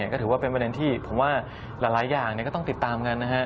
ก็ถือว่าเป็นประเด็นที่ผมว่าหลายอย่างก็ต้องติดตามกันนะฮะ